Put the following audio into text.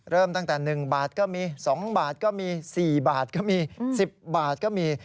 เริ่มตั้งแต่๑บาทก็มี๒บาทก็มี๔บาทก็มี๑๐บาทก็มี